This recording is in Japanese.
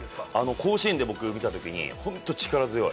甲子園で僕見たときにホント力強い。